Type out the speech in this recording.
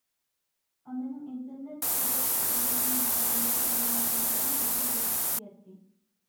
ئاممىنىڭ ئىنتېرنېت تورى ئۇچۇرلىرىنىڭ بىخەتەرلىكىگە بولغان تەلىپى ئەڭ يۇقىرى باسقۇچقا يەتتى.